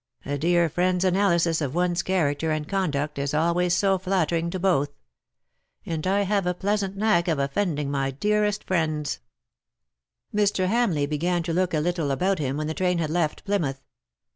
A dear friend's analysis of one's character and conduct is always so flattering to both; and I have a pleasant knack of offending my dearest friends V Mr. Hamleigh began to look about him a little 40 BUT THEN CAME ONE, when the train had left Plymouth.